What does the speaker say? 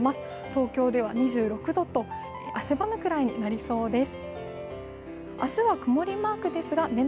東京では２６度と、汗ばむくらいになりそうです。